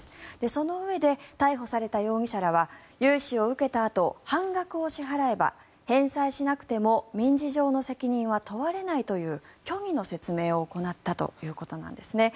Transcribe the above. そのうえで逮捕された容疑者らは融資を受けたあと半額を支払えば返済しなくても民事上の責任は問われないという虚偽の説明を行ったということなんですね。